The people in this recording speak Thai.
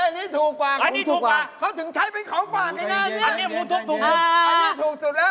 อันนี้ถูกกว่าคุณถูกกว่าเค้าถึงใช้เป็นของฝ่านเนี่ยอันนี้อันนี้ถูกสุดแล้ว